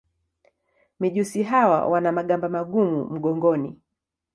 Mijusi hawa wana magamba magumu mgongoni.